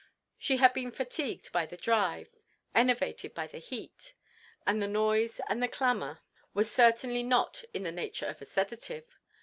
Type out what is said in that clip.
She had been fatigued by the drive, enervated by the heat, and the noise and clamor was certainly not in the nature of a sedative.